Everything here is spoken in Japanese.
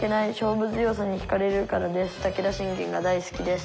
武田信玄が大好きです」。